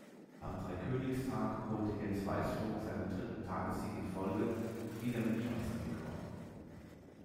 Am Dreikönigstag holte Jens Weißflog seinen dritten Tagessieg in Folge, wieder mit Schanzenrekord.